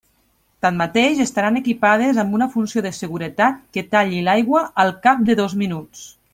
Tanmateix, estaran equipades amb una funció de seguretat que talli l'aigua al cap de dos minuts.